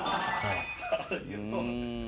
そうなんですね。